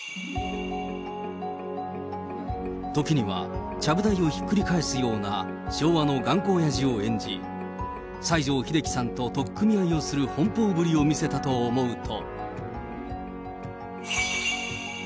時にはちゃぶ台をひっくり返すような昭和の頑固おやじを演じ、西城秀樹さんと取っ組み合いをする奔放ぶりを見せたと思うと。